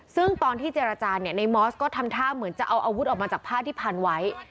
ซึ่งตอนที่เจรจาเนี่ยในมอสก็ทำท่าเหมือนจะเอาอาวุธออกมาจากผ้าที่พันไว้